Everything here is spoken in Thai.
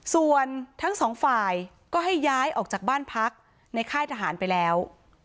ส่วนทั้งสองฝ่ายก็ให้ย้ายออกจากบ้านพักในค่ายทหารไปแล้ว